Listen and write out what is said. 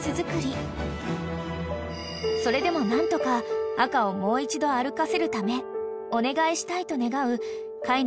［それでも何とか赤をもう一度歩かせるためお願いしたいと願う飼い主葛城さん